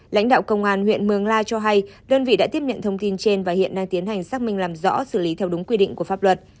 lãnh đạo công an huyện mường la cho hay đơn vị đã tiếp nhận thông tin trên và hiện đang tiến hành xác minh làm rõ xử lý theo đúng quy định của pháp luật